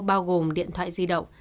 bao gồm điện thoại di động